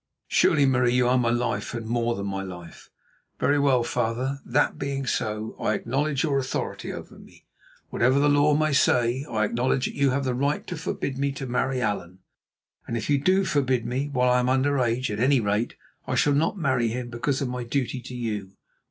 "Surely, Marie, you are my life, and more than my life." "Very well, my father. That being so, I acknowledge your authority over me, whatever the law may say. I acknowledge that you have the right to forbid me to marry Allan, and if you do forbid me—while I am under age, at any rate—I shall not marry him because of my duty to you.